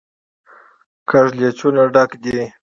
کږلېچونو ډک دی.